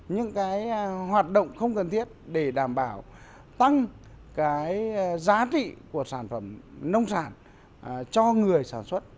những cái hoạt động không cần thiết để đảm bảo tăng cái giá trị của sản phẩm nông sản cho người sản xuất